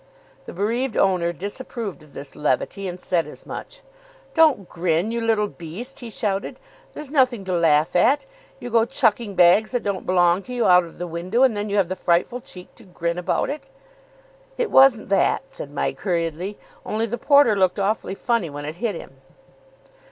The bereaved owner disapproved of this levity; and said as much. "Don't grin, you little beast," he shouted. "There's nothing to laugh at. You go chucking bags that don't belong to you out of the window, and then you have the frightful cheek to grin about it." "It wasn't that," said Mike hurriedly. "Only the porter looked awfully funny when it hit him."